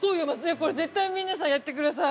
これ絶対皆さんやってください。